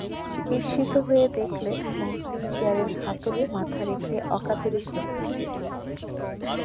বিস্মিত হয়ে দেখলেন, মহসিন চেয়ারের হাতলে মাথা রেখে অকাতরে ঘুমুচ্ছে।